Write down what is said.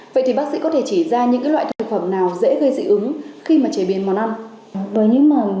vậy thì bác sĩ có thể chỉ ra những loại thực phẩm nào dễ gây dị ứng khi mà chế biến món ăn